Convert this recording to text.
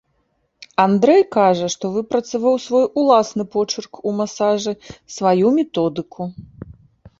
Андрэй кажа, што выпрацаваў свой уласны почырк ў масажы, сваю методыку.